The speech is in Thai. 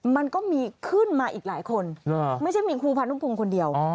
มันก็มีขึ้นมาอีกหลายคนไม่ใช่มีครูพานุพงศ์คนเดียว